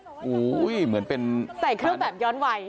โอ้โหเหมือนเป็นใส่เครื่องแบบย้อนวัย